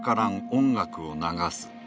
音楽を流す。